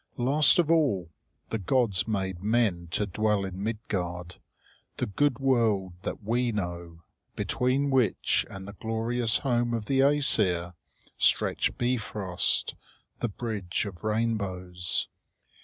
Last of all, the gods made men to dwell in Midgard, the good world that we know, between which and the glorious home of the Æsir stretched Bifröst, the bridge of rainbows.